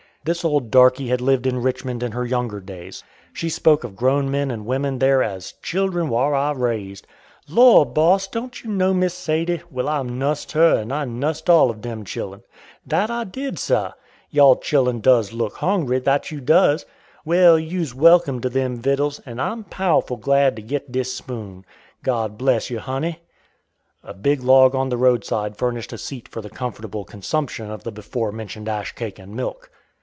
This old darkey had lived in Richmond in her younger days. She spoke of grown men and women there as "children whar I raised." "Lord! boss, does you know Miss Sadie? Well, I nussed her and I nussed all uv them chillun; that I did, sah! Yawl chillun does look hawngry, that you does. Well, you's welcome to them vittles, and I'm powful glad to git dis spoon. God bless you, honey!" A big log on the roadside furnished a seat for the comfortable consumption of the before mentioned ash cake and milk.